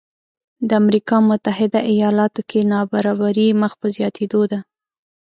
د امریکا متحده ایالاتو کې نابرابري مخ په زیاتېدو ده